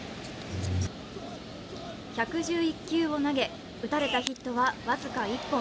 １１１球を投げ、打たれたヒットは僅か１本。